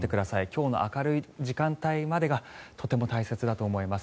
今日の明るい時間帯までがとても大切だと思います。